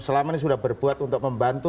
selama ini sudah berbuat untuk membantu